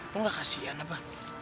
lo gak kasian apa